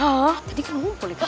oh tadi kan ngumpul itu